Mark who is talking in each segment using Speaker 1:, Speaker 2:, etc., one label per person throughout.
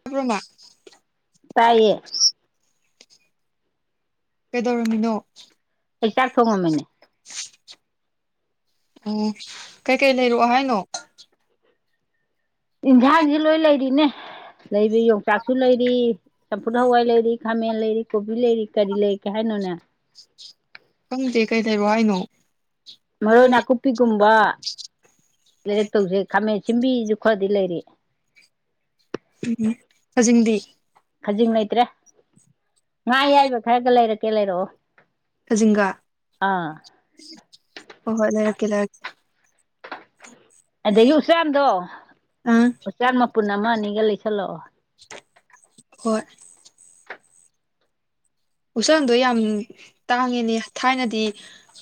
Speaker 1: ꯇꯥꯕ꯭ꯔꯣ ꯃꯥ ꯇꯥꯌꯦ
Speaker 2: ꯇꯥꯏꯌꯦ
Speaker 1: ꯀꯩꯗꯧꯔꯝꯃꯤꯅꯣ
Speaker 2: ꯑꯩ ꯆꯥꯛ ꯊꯣꯡꯉꯝꯃꯤꯅꯦ
Speaker 1: [unintelligible] ꯑꯣ ꯀꯩꯀꯩ ꯂꯩꯔꯛꯑꯣ ꯍꯥꯏꯅꯣ
Speaker 2: ꯏꯟꯐꯥꯟꯁꯤ ꯂꯣꯏ ꯂꯩꯔꯤꯅꯦ꯫ ꯂꯩꯕꯩ ꯌꯣꯡꯆꯥꯛꯁꯨ ꯂꯩꯔꯤ ꯆꯝꯐꯨꯠ ꯍꯋꯥꯏ ꯂꯩꯔꯤ ꯈꯥꯃꯦꯟ ꯂꯩꯔꯤ ꯀꯣꯕꯤ ꯂꯩꯔꯤ ꯀꯔꯤ ꯂꯩꯔꯛꯀꯩ ꯍꯥꯏꯅꯣꯅꯦ
Speaker 1: ꯈꯪꯗꯦ ꯀꯩ ꯂꯩꯔꯣ ꯍꯥꯏꯅꯣ꯫
Speaker 2: ꯃꯔꯣꯏ ꯅꯥꯀꯨꯞꯄꯤꯒꯨꯝꯕ ꯂꯩꯔꯛꯇꯧꯁꯦ ꯈꯥꯃꯦꯟ ꯁꯤꯟꯕꯤꯁꯨ ꯈꯔꯗꯤ ꯂꯩꯔꯤ꯫
Speaker 1: ꯎꯝ ꯈꯖꯤꯡꯗꯤ
Speaker 2: ꯈꯖꯤꯡ ꯂꯩꯇ꯭ꯔꯦ ꯉꯥ ꯑꯌꯥꯏꯕ ꯈꯔꯒ ꯂꯩꯔꯦ꯫ [unintelligible] ꯂꯩꯔꯛꯑꯣ
Speaker 1: ꯈꯖꯤꯡꯒꯥ
Speaker 2: ꯑꯥ
Speaker 1: ꯍꯣꯏ ꯍꯣꯏ ꯂꯩꯔꯛꯀꯦ ꯂꯩꯔꯛꯀꯦ꯫ [inaudible]
Speaker 2: ꯑꯗꯒꯤ ꯎꯆꯥꯟꯗꯣ
Speaker 1: ꯑꯥ
Speaker 2: ꯎꯆꯥꯟ ꯃꯄꯨꯟ ꯑꯃ ꯑꯅꯤꯒ ꯂꯩꯁꯜ [unintelligible]
Speaker 1: ꯍꯣꯏ ꯎꯆꯥꯟꯗꯣ ꯌꯥꯝ ꯇꯥꯡꯉꯤꯅꯦ ꯊꯥꯏꯅꯗꯤ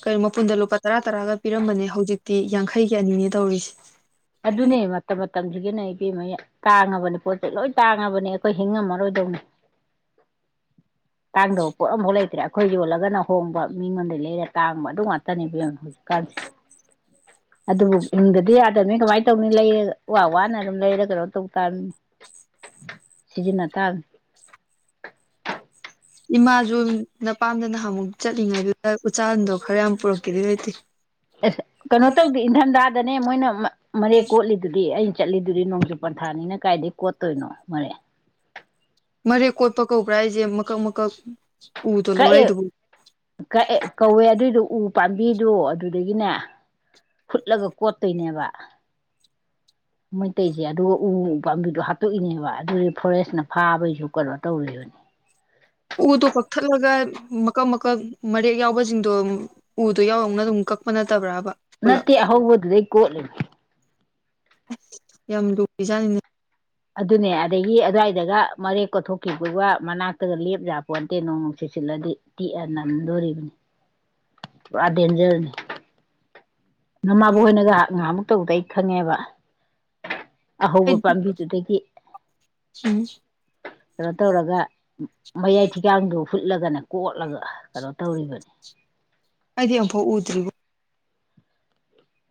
Speaker 1: ꯀꯔꯤ ꯃꯄꯨꯟꯗ ꯂꯨꯄꯥ ꯇꯔꯥ ꯇꯔꯥꯒ ꯄꯤꯔꯝꯕꯅꯦ ꯍꯧꯖꯤꯛꯇꯤ ꯌꯥꯡꯈꯩꯒꯤ ꯑꯅꯤꯅꯦ ꯇꯧꯔꯤꯁꯦ꯫
Speaker 2: ꯑꯗꯨꯅꯦ ꯃꯇꯝ ꯃꯇꯝꯁꯤꯒꯤꯅꯦ ꯏꯕꯦꯝꯃ ꯇꯥꯡꯉꯕꯅꯤ ꯄꯣꯠ ꯆꯩ ꯂꯣꯏ ꯇꯥꯡꯉꯕꯅꯤ ꯑꯩꯈꯣꯏ ꯍꯤꯡꯉꯝꯃꯔꯣꯏꯗꯧꯅꯤ ꯇꯥꯡꯗꯕ ꯄꯣꯠ ꯑꯃꯐꯥꯎ ꯂꯩꯇ꯭ꯔꯦ ꯑꯩꯈꯣꯏ ꯌꯣꯜꯂꯒꯅ ꯍꯣꯡꯕ ꯃꯤꯉꯣꯟꯗꯩ ꯂꯩꯔ ꯇꯥꯡꯕ ꯑꯗꯨ ꯉꯥꯛꯇꯅꯦꯕꯦꯝꯃ ꯍꯧꯖꯤꯛꯀꯥꯟꯁꯦ ꯑꯗꯨꯕꯨ ꯍꯤꯡꯗꯗꯤ ꯅꯤ ꯀꯃꯥꯏꯅ ꯇꯧꯅꯤ ꯂꯩꯔꯒ ꯋꯥꯋꯥꯅ ꯑꯗꯨꯝ ꯂꯩꯔꯒ ꯀꯩꯅꯣ ꯇꯧ ꯇꯥꯕꯅꯤ ꯁꯤꯖꯤꯟꯅ ꯇꯥꯕꯅꯤ꯫
Speaker 1: ꯏꯃꯥꯁꯨ ꯅꯄꯥꯝꯗ ꯅꯍꯥꯟꯃꯨꯛ ꯆꯠꯂꯤꯉꯥꯏꯗꯨꯗ ꯎꯆꯥꯟꯗꯣ ꯈꯔ ꯌꯥꯝ ꯄꯨꯔꯛꯀꯦꯗꯤ ꯂꯩꯇꯦ꯫
Speaker 2: ꯑꯁ ꯀꯩꯅꯣ ꯇꯧꯗꯦ ꯏꯟꯊꯝꯗ ꯗꯅꯦ ꯃꯣꯏꯅ ꯃꯅꯦ ꯀꯣꯠꯂꯤꯗꯨꯗꯤ ꯑꯩ ꯆꯠꯂꯤꯗꯨꯗꯤ ꯅꯣꯡꯖꯨ ꯄꯟꯊꯥꯅꯤꯅ ꯀꯥꯏꯗꯩꯩ ꯀꯣꯠꯇꯣꯏꯅꯣ [unintelligible]
Speaker 1: ꯃꯔꯦꯛ ꯀꯣꯠꯄ ꯀꯧꯕ꯭ꯔꯥ ꯍꯥꯏꯁꯦ ꯃꯀꯛ ꯃꯀꯛ ꯎꯗꯣ
Speaker 2: ꯀꯛꯑꯦ
Speaker 1: ꯂꯧꯔꯛꯏꯗꯨꯕꯨ
Speaker 2: ꯀꯛꯑꯦ ꯀꯧꯏ ꯑꯗꯨꯏꯗꯣ ꯎ ꯄꯥꯝꯕꯤꯗꯣ ꯑꯗꯨꯗꯒꯤꯅꯦ ꯐꯨꯠꯂꯒ ꯀꯣꯠꯇꯨꯏꯅꯦꯕ ꯃꯩꯇꯩꯁꯦ ꯑꯗꯨꯒ ꯎ ꯄꯥꯝꯕꯤꯗꯣ ꯍꯥꯠꯇꯣꯛꯏꯅꯦꯕ ꯑꯗꯨꯏꯁꯨ ꯐꯣꯔꯦꯁꯅ ꯐꯥꯕꯩꯁꯨ ꯀꯩꯅꯣ ꯇꯧꯔꯤꯕꯅꯤ
Speaker 1: ꯎꯗꯣ ꯀꯛꯊꯠꯂꯒ ꯃꯀꯛ ꯃꯀꯛ ꯃꯔꯦꯛ ꯌꯥꯎꯕꯁꯤꯡꯗꯣ ꯎꯗꯣ ꯌꯥꯎ ꯌꯥꯎꯅ ꯑꯗꯨꯝ ꯀꯛꯄ ꯅꯠꯇꯕ꯭ꯔꯥ
Speaker 2: ꯅꯠꯇꯦ ꯑꯍꯧꯕꯗꯨꯗꯩ ꯀꯣꯠꯂꯤꯅꯦ꯫
Speaker 1: ꯌꯥꯝ ꯂꯨꯔꯤꯖꯥꯠꯅꯤꯅꯦ
Speaker 2: ꯑꯗꯨꯅꯦ ꯑꯗꯒꯤ ꯑꯗꯨꯋꯥꯏꯗꯒ ꯃꯔꯦꯛ ꯀꯣꯊꯣꯛꯈꯤꯕꯗꯨꯒ ꯃꯅꯥꯛꯇꯒ ꯂꯦꯞ ꯌꯥꯄꯣꯟꯇꯦ ꯅꯣꯡ ꯅꯨꯡꯁꯤꯠ ꯁꯤꯠꯂꯛꯑꯗꯤ ꯇꯤꯛꯑ ꯅꯝꯗꯣꯔꯤꯕꯅꯤ ꯄꯨꯔꯥ ꯗꯦꯟꯖꯔꯅꯤ꯫ ꯅꯃꯥꯕꯣꯛꯍꯣꯏꯅꯒ ꯉꯍꯥꯟꯃꯨꯛ ꯇꯧꯗꯩ ꯈꯪꯉꯦꯕ ꯑꯍꯧꯕ
Speaker 1: ꯑꯩꯗꯤ
Speaker 2: ꯄꯥꯝꯕꯤ ꯑꯗꯨꯗꯒꯤ
Speaker 1: ꯎꯝ
Speaker 2: ꯀꯩꯅꯣ ꯇꯧꯔꯒ ꯃꯌꯥꯏ ꯊꯤꯒꯥꯡꯗꯣ ꯐꯨꯠꯂꯒꯅ ꯀꯣꯠꯂꯒ ꯀꯩꯅꯣ ꯇꯧꯔꯤꯕꯅꯤ
Speaker 1: ꯑꯩꯗ ꯑꯃꯨꯛꯐꯥꯎ ꯎꯗꯔꯤꯕꯣ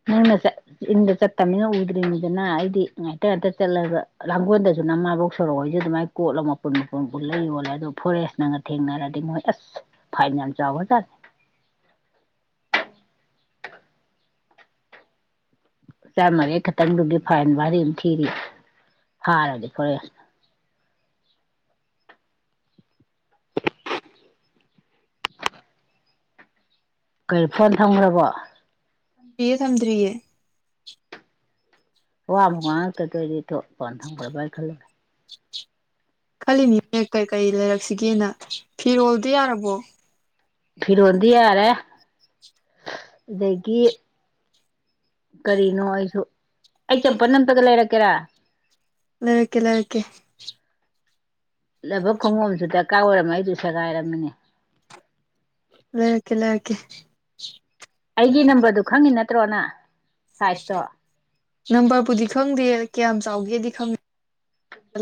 Speaker 2: ꯅꯪꯅ ꯆꯠ ꯌꯨꯝꯗ ꯆꯠꯇꯝꯅꯤꯅ ꯎꯗ꯭ꯔꯤꯝꯅꯤꯗꯅ ꯑꯩꯗꯤ ꯉꯥꯏꯇ ꯉꯥꯏꯇ ꯆꯠꯂꯒ ꯂꯥꯡꯒꯣꯜꯗꯁꯨ ꯅꯃꯥꯕꯣꯛ ꯁꯣꯔꯣꯍꯣꯏꯁꯨ ꯑꯗꯨꯃꯥꯏꯅ ꯀꯣꯠꯂꯒ ꯃꯄꯨꯟ ꯃꯄꯨꯟ ꯄꯨꯜꯂ ꯌꯣꯜꯂꯦ ꯑꯗꯣ ꯐꯣꯔꯦꯁꯅꯒ ꯊꯦꯡꯅꯔꯗꯤ ꯃꯣꯏ ꯑꯁ ꯐꯥꯏꯟ ꯌꯥꯝ ꯆꯥꯎꯒꯔ꯭ꯖꯥꯠꯅꯤ꯫ ꯎꯆꯥꯟ ꯃꯔꯤ ꯈꯛꯇꯪꯗꯨꯒꯤ ꯐꯥꯏꯟ ꯚꯥꯔꯤ ꯑꯝ ꯊꯤꯔꯤ ꯐꯥꯔꯗꯤ ꯐꯣꯔꯦꯁꯅ꯫ ꯀꯔꯤ ꯐꯣꯟ ꯊꯝꯒ꯭ꯔꯕꯣ
Speaker 1: [unintelligible] ꯊꯝꯗ꯭ꯔꯤꯌꯦ꯫
Speaker 2: ꯋꯥ ꯑꯝꯕꯥꯎ ꯉꯥꯡꯉꯛꯇ [unintelligible] ꯐꯣꯟ ꯊꯝꯒ꯭ꯔꯕ ꯍꯥꯏ ꯈꯜꯂꯨꯔꯦ꯫
Speaker 1: [inaudible] ꯈꯜꯂꯤꯅꯤꯅꯦ ꯀꯩ ꯀꯩ ꯂꯩꯔꯛꯁꯤꯒꯦꯅ ꯐꯤꯔꯣꯜꯗꯤ ꯌꯥꯔꯕꯣ
Speaker 2: ꯐꯤꯔꯣꯜꯗꯤ ꯌꯥꯔꯦ ꯑꯗꯒꯤ ꯀꯔꯤꯅꯣ ꯑꯩꯁꯨ ꯑꯩ ꯆꯝꯄꯟ ꯑꯝꯇꯒ ꯂꯩꯔꯛꯀꯦꯔꯥ
Speaker 1: ꯂꯩꯔꯛꯀꯦ ꯂꯩꯔꯛꯀꯦ
Speaker 2: ꯂꯕꯔ ꯈꯣꯡꯉꯨꯞ ꯑꯝꯁꯨ ꯇ ꯀꯥ ꯑꯣꯏꯔꯝꯃ ꯑꯩꯖꯨ ꯁꯦꯒꯥꯏꯔꯝꯃꯅꯦ
Speaker 1: ꯂꯩꯔꯛꯀꯦ ꯂꯩꯔꯛꯀꯦ
Speaker 2: ꯑꯩꯒꯤ ꯅꯝꯕꯔꯗꯨ ꯈꯪꯉꯤ ꯅꯠ [unintelligible]
Speaker 1: ꯅꯝꯕꯔꯕꯨꯗꯤ ꯈꯪꯗꯦ ꯀꯌꯥꯝ ꯆꯥꯎꯒꯦꯗꯤ ꯈꯪꯉꯤ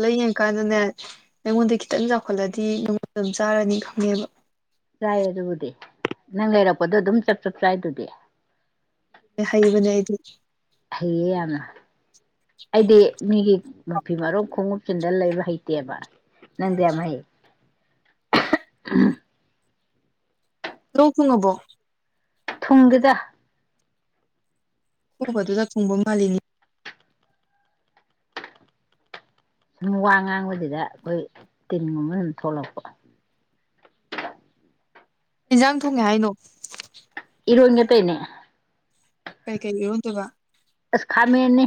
Speaker 1: ꯂꯩ ꯀꯥꯅꯅꯦ ꯑꯩꯉꯣꯟꯗꯩꯩ ꯈꯤꯇꯪ ꯆꯥꯎꯈꯠꯂꯗꯤ ꯅꯉꯣꯟꯗ ꯑꯗꯨꯝ ꯆꯥꯔꯅꯤ ꯈꯪꯉꯦꯕ꯫
Speaker 2: ꯆꯥꯏ ꯑꯗꯨꯕꯨꯗꯤ ꯅꯪ ꯂꯩꯔꯛꯄꯗ ꯑꯗꯨꯝ ꯆꯞ ꯆꯞ ꯆꯥꯏꯗꯨꯗꯤ꯫
Speaker 1: ꯍꯩꯕꯅꯦ ꯑꯩꯗꯤ
Speaker 2: ꯍꯩꯌꯦ ꯌꯥꯝꯅ ꯑꯩꯗꯤ ꯃꯤꯒꯤ ꯃꯥꯊꯤ ꯃꯔꯔꯣ ꯈꯣꯡꯎꯞ ꯆꯟꯗ ꯂꯩꯕ ꯍꯩꯇꯦꯕ ꯅꯪꯗꯤ ꯌꯥꯝ ꯍꯩ
Speaker 1: ꯇꯣ ꯐꯉꯕꯣ
Speaker 2: ꯊꯨꯡꯗ
Speaker 1: ꯍꯣꯕꯗꯨ ꯆꯥꯛ ꯊꯨꯡꯕ ꯃꯥꯜꯂꯤꯅꯤ
Speaker 2: ꯁꯨꯝ ꯋꯥ ꯉꯥꯡꯕꯁꯤꯗ ꯑꯩꯈꯣꯏ ꯇꯤꯟꯒꯨꯝꯕ ꯑꯗꯨꯝ ꯊꯣꯛꯂꯛꯄ
Speaker 1: ꯏꯟꯖꯥꯡ ꯊꯣꯡꯉꯦ ꯍꯥꯏꯅꯣ
Speaker 2: ꯏ ꯑꯣꯏ ꯉ ꯇꯩꯅ
Speaker 1: ꯀꯥꯏ ꯀꯥꯏ ꯌꯎꯗ ꯋꯥ
Speaker 2: ꯑꯁ ꯈꯥꯃꯦꯟꯅꯤ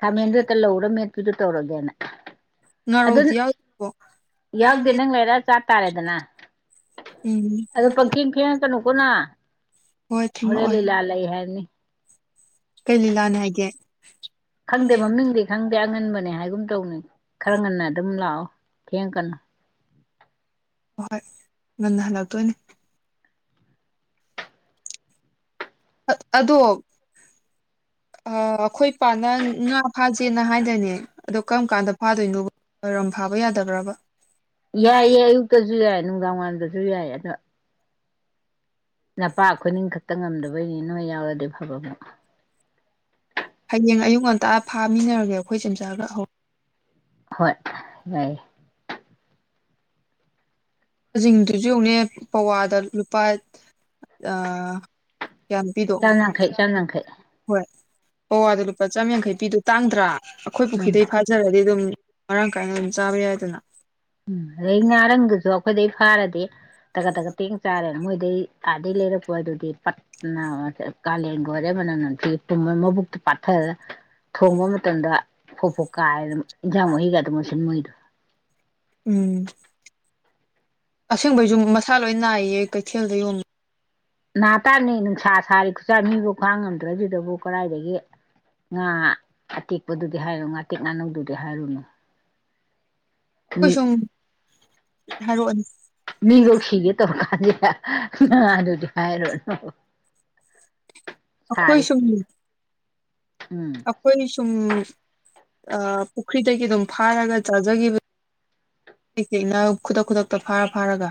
Speaker 2: ꯈꯥꯃꯦꯟꯗꯨꯣ ꯍꯦꯛꯇ ꯂꯧꯔꯝꯃꯦ ꯀꯤꯔꯤ ꯇꯧꯔꯣꯒꯦꯅꯦ ꯑꯗꯨ
Speaker 1: ꯉꯥꯔꯧꯗꯤ ꯌꯥꯎꯗꯕꯣ
Speaker 2: ꯌꯥꯎꯗꯦ ꯅꯪ ꯂꯩꯔ ꯆꯥ ꯇꯥꯔꯦꯗꯅ
Speaker 1: ꯎꯝ
Speaker 2: ꯑꯗꯨꯣ ꯄꯪꯈꯦꯡ ꯈꯦꯡꯅ ꯀꯩꯅꯣ ꯄꯨꯅ
Speaker 1: ꯍꯣꯏ
Speaker 2: ꯍꯔꯦ ꯂꯤꯂꯥ ꯂꯥꯏ ꯍꯥꯏꯅꯤ
Speaker 1: ꯀꯂ ꯂꯅ ꯍꯥꯏꯦ
Speaker 2: ꯈꯪꯗꯦ ꯃꯃꯤꯡꯗꯤ ꯈꯪꯗꯦ ꯑꯉꯟꯕꯅꯦ ꯍꯥꯏꯒꯨꯝ ꯇꯧꯅꯤ ꯈꯔ ꯉꯟꯅ ꯑꯗꯨꯝ ꯂꯥꯛꯑꯣ ꯀ ꯀꯅꯥ
Speaker 1: ꯑꯍꯣꯏ ꯉꯟꯅ ꯍꯜꯂꯛꯇꯣꯏꯅꯦ ꯑꯗꯣ ꯑꯩꯈꯣꯏ ꯏ ꯄꯥꯅ ꯉꯥ ꯐꯥꯖꯦꯅ ꯍꯥꯏꯅꯅꯦ ꯑꯗꯣ ꯀꯔꯝ ꯀꯥꯟꯗ ꯐꯥꯗꯣꯏꯅꯣꯝ ꯐꯥꯕ ꯌꯥꯗꯕ꯭ꯔꯕ
Speaker 2: ꯌꯥꯏ ꯌꯥꯏ ꯏ ꯇꯁꯨꯨ ꯌꯥ ꯅꯨꯡꯗꯥꯡ ꯋꯥꯏꯔꯝꯗꯖꯨ ꯌꯥꯏ ꯑꯗꯣ ꯅꯄꯥ ꯑꯈꯣꯏ ꯅꯤꯡ ꯈꯛ ꯍꯦꯛꯇ ꯉꯝꯗꯕꯩꯅꯤ, ꯅꯣꯏ ꯌꯥꯎꯔꯗꯤ ꯐꯕ ꯃꯨꯛ꯫
Speaker 1: ꯍꯌꯦꯡ ꯑꯌꯨꯛ ꯉꯟꯇꯥ ꯐꯥꯃꯤꯟꯅꯔꯒꯦ ꯑꯩꯈꯣꯏ ꯆꯦꯝꯆꯥꯒ ꯍꯧ
Speaker 2: ꯍꯣꯏ, ꯌꯥꯏꯌꯦ꯫
Speaker 1: [unintelligible] ꯌꯦꯡꯉꯨꯅꯦ ꯄꯋꯥꯗ ꯂꯨꯄꯥ ꯑ
Speaker 2: ꯆꯥꯝ ꯌꯥꯡꯈꯩ, ꯆꯥꯝ ꯌꯥꯡꯈꯩ꯫
Speaker 1: ꯄꯧꯋꯥꯗ ꯂꯨꯄꯥ ꯆꯥꯝꯌꯥꯡꯈꯩ ꯄꯤꯗꯣ ꯇꯥꯡꯗ꯭ꯔꯥ꯫ ꯑꯈꯣꯏ
Speaker 2: ꯎꯝ
Speaker 1: ꯄꯨꯈ꯭ꯔꯤꯗꯩꯩ ꯐꯥꯖꯔꯗꯤ ꯗꯨꯝ ꯃꯔꯥꯡ ꯀꯥꯏꯅ ꯑꯗꯨꯝ ꯆꯥꯕ ꯌꯥꯏꯗꯅ꯫
Speaker 2: ꯎꯝ, ꯑꯗꯩꯩ ꯉꯥꯔꯪꯒꯤꯁꯨ ꯑꯈꯣꯏꯗꯩ ꯐꯥꯔꯗꯤ ꯇꯒꯠ ꯇꯒꯠ ꯇꯦꯡꯅ ꯆꯥꯔꯦ, ꯃꯣꯏꯗꯩ ꯑꯥꯗꯩꯩ ꯂꯩꯔꯛꯄꯗꯨꯗꯤ ꯄꯠ [unintelligible] ꯀꯥꯂꯦꯟꯒ ꯑꯣꯏꯔꯦ ꯃꯅꯝ ꯅꯝꯊꯤꯒꯩ ꯄꯨꯝꯃ ꯃꯕꯨꯛꯇꯣ ꯄꯥꯛꯊꯔ ꯊꯣꯡꯕ ꯃꯇꯝꯗ ꯐꯣꯛ ꯐꯣꯛ ꯀꯥꯏꯔꯗꯅ, ꯏꯟꯖꯥꯡ ꯃꯍꯤꯒꯗꯣ ꯃꯨꯁꯤꯟ ꯃꯨꯏꯗ꯫
Speaker 1: ꯎꯝ ꯑꯁꯦꯡꯕꯩꯁꯨ ꯃꯁꯥꯂꯣꯏ ꯅꯥꯏꯌꯦ ꯀꯩꯊꯦꯜꯗ ꯌꯣꯟ
Speaker 2: ꯍꯥ ꯇꯥꯅꯤ ꯅꯨꯡꯁꯥ ꯁꯥꯔꯤ ꯈꯨꯆꯥꯥꯏ ꯃꯤꯕꯨ ꯈꯥꯡꯉꯝꯗ꯭ꯔ ꯁꯤꯗꯕꯨ ꯀꯗꯥꯏꯗꯒꯤ ꯉꯥ ꯑꯇꯦꯛꯄꯗꯨꯗꯤ ꯍꯥꯏꯔꯨꯅ ꯉꯥꯇꯦꯛ ꯉꯥꯅꯧꯗꯨꯗꯤ ꯍꯥꯏꯔꯨꯅꯨ ꯃꯤ
Speaker 1: ꯈꯣꯏꯁꯨꯝ ꯍꯥꯏꯔꯛꯑꯣꯅꯦ
Speaker 2: [unintelligible] ꯑꯗꯨꯗꯤ ꯍꯥꯏꯔꯣ ꯑꯣ
Speaker 1: ꯑꯈꯣꯏꯁꯨꯝ
Speaker 2: ꯎꯝ
Speaker 1: ꯑꯈꯣꯏꯅꯤ ꯁꯨꯝ ꯑ ꯄꯨꯈ꯭ꯔꯤꯗꯒꯤꯗꯨꯝ ꯐꯥꯔꯒ ꯆꯥꯖꯈꯤꯕ [unintelligible] ꯈꯨꯗꯛ ꯈꯨꯗꯛꯇ ꯐꯥꯔ ꯐꯥꯔꯒ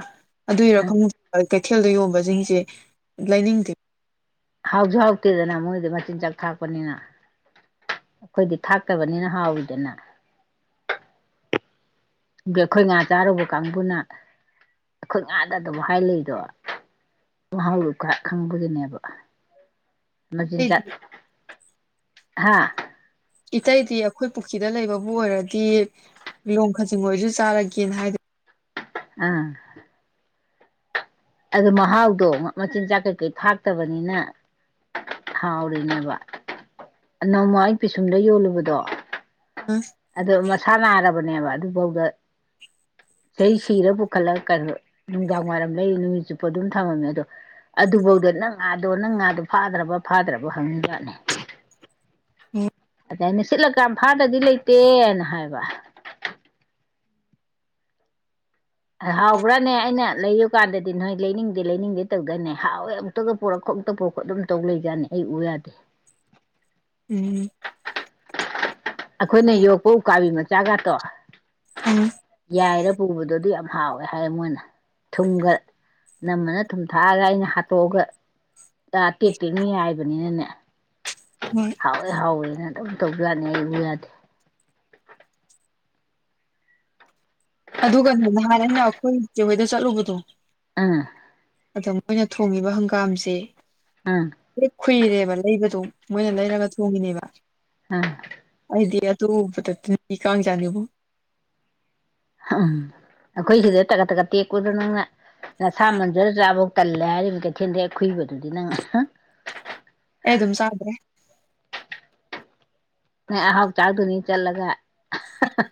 Speaker 1: ꯑꯗꯨꯒꯤꯔ ꯈꯪꯗꯦ [unintelligible] ꯈꯦꯜꯗ ꯌꯣꯟꯕꯁꯤꯡꯁꯦ ꯂꯩꯅꯤꯡꯗꯦ
Speaker 2: ꯍꯥꯎꯁꯨ ꯍꯥꯎꯇꯦꯗꯅ ꯃꯣꯏꯗ ꯃ ꯆꯤꯟꯖꯥꯛ ꯊꯥꯛꯄꯅꯤꯅ ꯑꯩꯈꯣꯏꯗꯤ ꯊꯥꯛꯇꯕꯅꯤꯅ ꯍꯥꯎꯋꯤꯗꯅ ꯑꯩꯈꯣꯏ ꯉꯥ ꯆꯥꯔꯨꯕ ꯀꯥꯡꯕꯨꯅ ꯑꯩꯈꯣꯏ ꯉꯥꯗꯑꯗꯨꯝ ꯍꯥꯏ ꯂꯩꯗꯣ ꯃꯍꯥꯎꯗꯨ ꯄꯨꯔꯥ ꯈꯪꯕꯒꯤꯅꯦꯕ ꯃꯆꯤꯟꯖꯥꯛ ꯍꯥꯥ
Speaker 1: ꯏꯇꯩꯗꯤ ꯑꯩꯈꯣꯏ ꯄꯨꯈ꯭ꯔꯤꯗ ꯂꯩꯕꯕꯨ ꯑꯣꯏꯔꯗꯤ ꯂꯣꯡ ꯈꯆꯤꯡ ꯑꯣꯏꯖꯨ ꯇꯥꯔꯒꯦꯅ ꯍꯥꯏꯗꯤ
Speaker 2: ꯑꯥ ꯑꯗꯨ ꯃꯍꯥꯎꯗꯣ ꯃꯆꯤꯟꯖꯥꯛ ꯀꯩꯀꯩ ꯊꯥꯛꯇꯕꯅꯤꯅ ꯍꯥꯎꯔꯤꯅꯦꯕ ꯅꯣꯡꯃ ꯑꯩꯅ ꯄꯤꯁꯨꯝꯗ ꯌꯣꯜꯂꯨꯕꯗꯣ ꯑꯗꯣ ꯃꯁꯥ ꯅꯥꯔꯕ ꯅꯦꯕ ꯑꯗꯨꯐꯥꯎꯗ ꯆꯍꯤ ꯁꯤꯔ ꯄꯨꯈꯠꯂꯒ ꯀꯩꯅꯣ ꯅꯨꯡꯗꯥꯡ ꯋꯥꯏꯔꯝ ꯂꯩꯔꯤ ꯆꯨꯞꯄꯣ ꯑꯗꯨꯝ ꯊꯝꯃꯦ ꯑꯗꯣ ꯑꯗꯨꯐꯧꯗ ꯅꯪ ꯉꯥꯗꯣ ꯅꯪ ꯉꯥꯗꯣ ꯐꯥꯗ꯭ꯔꯕ ꯐꯥꯗ꯭ꯔꯕ ꯍꯪꯅꯤꯖꯠꯅꯦ
Speaker 1: ꯎꯝ
Speaker 2: ꯑꯗ ꯑꯩꯅ ꯁꯤꯠꯂꯒꯟ ꯐꯥꯗꯗꯤ ꯂꯩꯇꯦ ꯍꯥꯏꯅ ꯍꯥꯏꯕ ꯍꯥꯎꯕ꯭ꯔꯅꯦ ꯑꯩꯅ ꯂꯩꯌꯨ ꯀꯥꯟꯗꯗꯤ ꯗꯤ ꯅꯣꯏ ꯂꯩꯅꯤꯡꯗꯦ ꯂꯩꯅꯤꯡꯗꯦ ꯇꯧꯗꯥꯏꯅꯦ ꯍꯥꯎꯋꯦ ꯑꯃꯨꯛꯇꯒ ꯄꯨꯔꯛꯈꯣ ꯑꯃꯨꯛꯇꯪ ꯄꯨꯔꯛꯈꯣ ꯑꯗꯨꯝ ꯇꯧ ꯂꯩꯖꯥꯠꯅꯤ ꯑꯩ ꯎ ꯌꯥꯗꯦ
Speaker 1: ꯎꯝ
Speaker 2: ꯑꯈꯣꯏ ꯅ ꯌꯣ ꯀꯧ ꯀꯥꯕꯤ ꯆꯥ ꯒꯥ ꯇꯣ ꯌꯥꯏꯔ ꯄꯨꯕꯗꯣ ꯑꯗꯨꯏ [unintelligible] ꯍꯥꯎꯋꯦ ꯍꯥꯏꯌꯦ ꯃꯣꯏꯅ ꯊꯨꯝꯒ ꯅꯝꯃꯅ ꯊꯨꯝ ꯅꯊꯥꯛꯑꯒ ꯑꯩꯅ ꯍꯥꯠꯇꯣꯛꯑꯒ [unintelligible] ꯍꯥꯏꯕꯅꯤꯅꯅꯦ
Speaker 1: ꯍꯣꯏ
Speaker 2: ꯍꯥꯎꯏ ꯍꯥꯎꯏꯅ ꯑꯗꯨꯝ ꯇꯧꯕꯖꯠꯅꯤ ꯌꯥꯗꯦ
Speaker 1: ꯑꯗꯨꯒꯅꯦ ꯉꯍꯥꯟ ꯑꯩꯅ ꯂꯥꯛ ꯑꯩꯈꯣꯏꯆꯦꯍꯣꯏꯗ ꯆꯠꯂꯨꯕꯗꯣ
Speaker 2: ꯑꯥ
Speaker 1: ꯑꯗꯣ ꯑꯩꯅ ꯊꯣꯡꯉꯤꯕ ꯍꯪꯒꯥꯝꯁꯦ
Speaker 2: ꯑꯪ
Speaker 1: ꯂꯣꯏ ꯈꯨꯏꯔꯦꯕ ꯂꯩꯕꯗꯨꯨ ꯃꯣꯏꯅ ꯂꯩꯔꯒ ꯊꯣꯡꯉꯤꯅꯦꯕ
Speaker 2: ꯑꯪ
Speaker 1: ꯑꯩꯗꯤ ꯑꯗꯨ ꯎꯕꯗ ꯑꯗꯨꯗꯤ [unintelligible]
Speaker 2: ꯑꯥꯥ ꯑꯈꯣꯏꯒꯤꯗꯨꯅ ꯇꯒꯠ - ꯇꯒꯠ [unintelligible] ꯅꯪꯅ ꯅꯁꯥ ꯃꯟꯖꯔ ꯆꯥꯔꯣ꯫ ꯇꯜꯂꯦ ꯍꯥꯏꯔꯤꯕ ꯀꯩꯊꯦꯜꯗꯩ ꯑꯈꯨꯏꯕꯗꯨꯗꯤ ꯅꯪ ꯍꯥ꯫
Speaker 1: ꯑꯩ ꯑꯗꯨꯝ ꯆꯥꯗ꯭ꯔꯦ꯫
Speaker 2: ꯉꯥ ꯑꯍꯥꯎ ꯆꯥꯗꯨꯅꯤ꯫ ꯆꯜꯂꯒ ꯍꯥ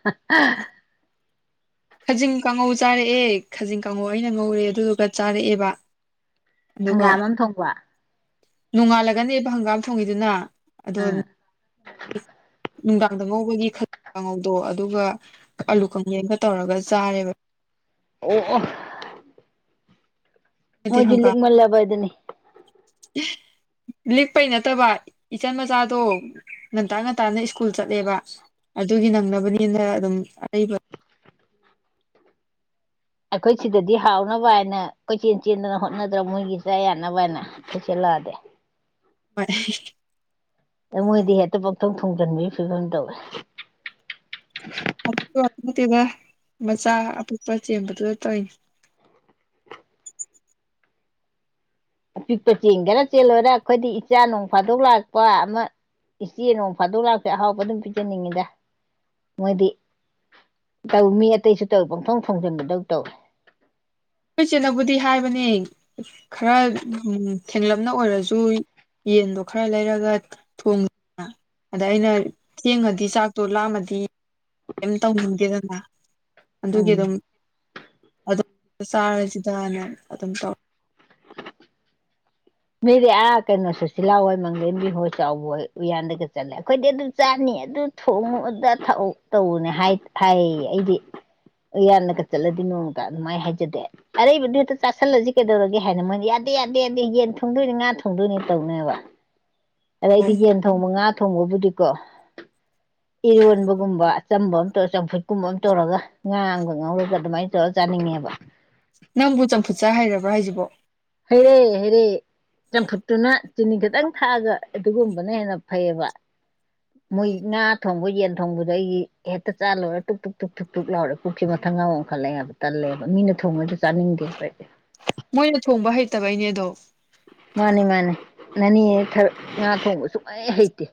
Speaker 2: ꯍꯥ ꯍꯥ
Speaker 1: ꯈꯥꯖꯤꯡ ꯀꯥꯡꯉꯧ ꯆꯥꯔꯛꯑꯦ ꯈꯥꯖꯤꯡ ꯀꯥꯡꯉꯧ ꯑꯩꯅ ꯉꯧꯔꯦ ꯑꯗꯨꯗꯨꯒ ꯆꯥꯔꯛꯑꯦꯕ꯫ ꯑꯗꯨꯒ
Speaker 2: ꯍꯪꯒꯥꯝ ꯑꯃ ꯊꯣꯡꯕ꯫
Speaker 1: ꯅꯣꯡꯉꯥꯜꯂꯒꯅꯦꯕ ꯍꯪꯒꯥꯝ ꯊꯣꯡꯉꯤꯗꯨꯅ꯫ ꯑꯗꯣ
Speaker 2: ꯑꯥ
Speaker 1: [unintelligible] ꯅꯨꯡꯗꯥꯡꯗ ꯉꯧꯕꯒꯤ ꯈ ꯀꯥꯡꯉꯧꯗꯣ ꯑꯗꯨꯒ ꯑꯂꯨ ꯀꯪꯃꯦꯠ ꯑꯝꯒ ꯇꯧꯔꯒ ꯆꯥꯔꯦꯕ꯫
Speaker 2: ꯑꯣ ꯑꯣ
Speaker 1: ꯍꯥꯏꯗꯤ
Speaker 2: ꯃꯣꯏꯗꯤ
Speaker 1: ꯍꯪꯒꯥꯝ
Speaker 2: ꯂꯤꯛꯃꯜꯂꯕꯗꯨꯅꯤ꯫
Speaker 1: ꯂꯤꯛꯄꯩ ꯅꯠꯇꯕ ꯏꯆꯟ ꯃꯆꯥꯗꯣ ꯉꯟꯇꯥ ꯉꯟꯇꯥꯅ ꯁ꯭ꯀꯨꯜ ꯆꯠꯂꯦꯕ ꯑꯗꯨꯒꯤ ꯅꯪꯅꯕꯅꯦꯅ ꯑꯗꯨꯝ ꯑꯔꯩꯕ
Speaker 2: ꯑꯩꯈꯣꯏ ꯁꯤꯗꯗꯤ ꯍꯥꯎꯅꯕ ꯍꯥꯏꯅ ꯀꯣꯏꯆꯦꯟ ꯆꯦꯟꯗꯅ ꯍꯣꯠꯅꯗꯅ ꯃꯣꯏꯒꯤ ꯆꯥ ꯌꯥꯅꯕ ꯍꯥꯏꯅ ꯑꯩꯈꯣꯏ ꯆꯦ ꯂꯥꯛꯑꯗꯤ꯫
Speaker 1: ꯍꯣꯏ
Speaker 2: ꯃꯣꯏꯗꯤ ꯍꯦꯚꯇ ꯄꯪꯇꯧ ꯍꯣꯡꯖꯤꯟꯕꯒꯤ ꯐꯤꯕꯝ ꯇꯧꯋꯦ꯫
Speaker 1: ꯑꯗꯨꯗꯣ ꯅꯠꯇꯦꯗ ꯃꯆꯥ ꯑꯄꯤꯛꯄ ꯆꯦꯟꯕꯗꯨꯗ ꯇꯧꯔꯤꯅꯤ꯫
Speaker 2: ꯑꯄꯤꯛꯄ ꯆꯦꯟꯒꯦꯔꯥ - ꯆꯦꯜꯂꯣꯏꯔ ꯑꯩꯈꯣꯏꯗꯤ ꯏꯆꯥ ꯅꯣꯡ ꯐꯥꯗꯣꯛ ꯂꯥꯛꯄ ꯑꯃ ꯏꯆꯦ ꯅꯣꯡ ꯐꯥꯗꯣꯛ ꯂꯥꯛꯄꯖꯦ ꯑꯍꯥꯎꯕ ꯑꯗꯨꯝ ꯄꯤꯖꯅꯤꯡꯉꯤꯗ, ꯃꯣꯏꯗꯤ ꯇꯧꯏ ꯃꯤ ꯑꯇꯩꯁꯨ ꯇꯧꯏ ꯄꯪꯊꯣꯡ ꯐꯣꯡꯖꯤꯟꯕꯗꯧ ꯇꯧꯏ꯫
Speaker 1: ꯑꯩꯈ ꯏꯆꯦꯅꯕꯨꯗꯤ ꯍꯥꯏꯕꯅꯦ ꯈꯔ ꯊꯦꯡꯂꯞꯅ ꯑꯣꯏꯔꯁꯨ ꯌꯦꯟꯗꯣ ꯈꯔ ꯂꯩꯔꯒ ꯊꯣꯡꯗꯅ ꯑꯗ ꯑꯩꯅ ꯊꯦꯡꯉꯗꯤ ꯆꯥꯛꯇꯣ ꯂꯥꯝꯃꯗꯤ ꯀꯩꯝ ꯇꯧꯅꯤꯡꯗꯦꯗꯅ ꯑꯗꯨꯒꯤ
Speaker 2: ꯎꯝ
Speaker 1: ꯑꯗꯨꯝ ꯑꯗꯣ ꯆꯥꯔꯁꯤꯗꯅ ꯑꯗꯨꯝ ꯇꯧ
Speaker 2: [inaudible] ꯃꯤꯗꯤ ꯑꯥ ꯀꯩꯅꯣꯁꯨꯁꯤꯂꯥ ꯍꯣꯏ ꯃꯥꯂꯦꯝꯕꯤ ꯍꯣꯏ ꯆꯥꯎꯕ ꯍꯣꯏ ꯎꯌꯥꯟꯗꯒ ꯆꯠꯂꯦ ꯑꯩꯈꯣꯏꯗꯤ ꯑꯗꯨ ꯆꯥꯅꯤ ꯑꯗꯨ ꯊꯣꯡꯉꯨ ꯑꯗꯥ ꯊꯥꯛꯎ ꯇꯧꯑꯅꯥ ꯍꯥꯏꯑꯥꯌꯦ ꯑꯩꯗꯤ ꯎꯌꯥꯟꯗꯒ ꯆꯠꯂꯗꯤ ꯅꯣꯡꯇ ꯑꯗꯨꯃꯥꯏ ꯍꯥꯏꯖꯗꯦ, ꯑꯔꯩꯕꯗꯨ ꯍꯦꯛꯇ ꯆꯥꯥꯁꯜꯂꯁꯤ ꯀꯩꯗꯧꯔꯒꯦ ꯍꯥꯏꯅ ꯃꯣꯏꯅ ꯌꯥꯗꯦ ꯌꯥꯗꯦ ꯌꯥꯗꯦ ꯌꯦꯟ ꯊꯣꯡꯗꯣꯏꯅꯤ ꯉꯥ ꯊꯣꯡꯗꯣꯏꯅꯤ ꯇꯧꯅꯦꯕ꯫ ꯑꯗ ꯑꯩꯗꯤ ꯌꯦꯟꯊꯣꯡꯕ ꯉꯥ ꯊꯣꯡꯕꯕꯨꯗꯤ ꯀꯣ ꯏꯔꯣꯜꯕꯒꯨꯝꯕ ꯑꯆꯝꯕꯝ ꯇꯣ ꯆꯝꯐꯨꯠ ꯀꯨꯝꯕ ꯑꯃ ꯇꯧꯔꯒ ꯉꯥ ꯑꯝꯒ ꯉꯧꯔꯒ ꯑꯗꯨꯃꯥꯏꯅ ꯗꯣ ꯆꯥꯅꯤꯡꯉꯦꯕ꯫
Speaker 1: ꯑꯣ
Speaker 2: ꯍꯩ ꯔꯦ ꯍꯩꯔꯦ ꯌꯥꯝ ꯐꯨꯠꯇꯨꯅ ꯆꯤꯅꯤ ꯈꯤꯇꯪ ꯊꯥꯛꯑꯒ ꯑꯗꯨꯒꯨꯝꯕꯅ ꯍꯦꯟꯅꯥ ꯐꯩꯑꯦꯕ ꯃꯣꯏ ꯉꯥ ꯊꯣꯡꯕ ꯌꯦꯟ ꯊꯣꯡꯕꯗ ꯑꯩꯒꯤ ꯍꯦꯛꯇ ꯆꯥ ꯂꯣꯏꯔꯦ ꯇꯨꯛ ꯇꯨꯛ ꯇꯨꯛ ꯇꯨꯛ ꯂꯥꯎꯔꯦ ꯄꯨꯛꯁꯦ ꯃꯊꯪꯒ ꯑꯣꯟꯈꯠꯂꯦ ꯍꯥꯏꯕ ꯇꯜꯂꯦꯕ ꯃꯤꯅ ꯊꯣꯡꯉꯩꯁꯨ ꯆꯥꯅꯤꯡꯗꯦ ꯑꯩ
Speaker 1: ꯃꯣꯏꯅ ꯊꯣꯡꯕ ꯍꯩ ꯇꯕꯩꯅꯦ ꯑꯗꯣ
Speaker 2: ꯃꯥꯅꯦ ꯃꯥꯅꯦ ꯅꯥꯅꯦ ꯊꯔ ꯉ ꯊꯣꯡꯕ ꯁꯨꯡꯍꯩ ꯍꯩꯇꯦ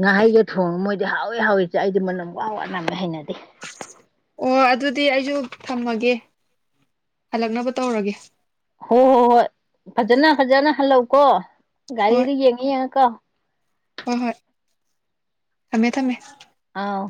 Speaker 2: ꯉꯍꯩꯒꯊꯣꯡ ꯃꯣꯏ ꯍꯥꯎꯋꯦ ꯍꯥꯎꯋꯦꯁꯦ ꯑꯩꯗꯤ ꯃꯅꯝ ꯋꯥ ꯋꯥ ꯅꯝꯃꯦ ꯍꯩꯅꯗꯦ
Speaker 1: ꯍꯣꯏ ꯑꯗꯨꯗꯤ ꯑꯩꯁꯨ ꯊꯝꯃꯒꯦ ꯍꯂꯛꯅꯕ ꯇꯧꯔꯒꯦ
Speaker 2: ꯍꯣ ꯍꯣ ꯍꯣꯏ ꯐꯖꯅ ꯐꯖꯅ ꯍꯜꯂꯧ ꯀꯣ
Speaker 1: ꯍꯣꯏ
Speaker 2: ꯒꯥꯔꯤꯗꯤ ꯌꯦꯡꯉ ꯌꯦꯡꯉꯥ ꯀ
Speaker 1: ꯍꯣꯏ ꯍꯣꯏ ꯊꯝꯃꯦ ꯊꯝꯃꯦ
Speaker 2: ꯑꯥꯎ